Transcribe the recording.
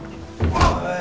おい。